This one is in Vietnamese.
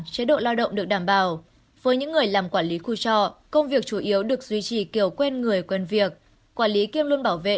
quân việc quản lý kiêm luôn bảo vệ